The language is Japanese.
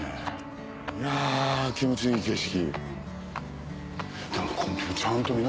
いや気持ちいい景色。